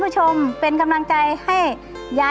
ดูเขาเล็ดดมชมเล่นด้วยใจเปิดเลิศ